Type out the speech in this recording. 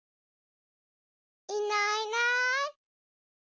いないいない。